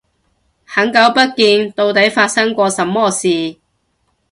很久不見，到底發生過什麼事